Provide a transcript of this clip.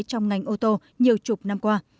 trong ngành ô tô nhiều chục năm qua